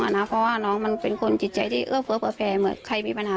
เพราะว่าน้องมันเป็นคนจิตใจที่เื่อเฟ้ม